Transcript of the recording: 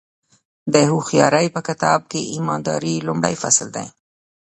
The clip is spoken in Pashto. د هوښیارۍ په کتاب کې ایمانداري لومړی فصل دی.